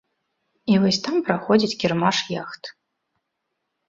І вось там праходзіць кірмаш яхт.